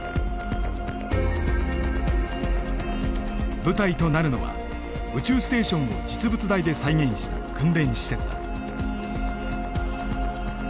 舞台となるのは宇宙ステーションを実物大で再現した訓練施設だ。